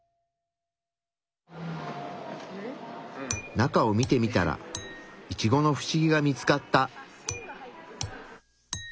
中を見てみたらイチゴのフシギが見つかった。